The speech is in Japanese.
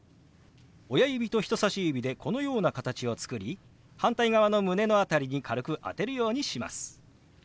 親指と人さし指でこのような形を作り反対側の胸の辺りに軽く当てるようにします。